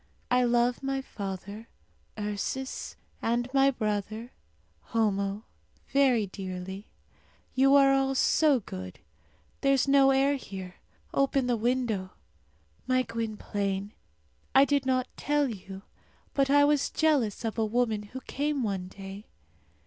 I love my father, Ursus, and my brother, Homo, very dearly. You are all so good. There is no air here. Open the window. My Gwynplaine, I did not tell you, but I was jealous of a woman who came one day.